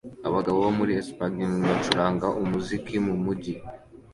Abagabo bo muri Espagne bacuranga umuziki mumujyi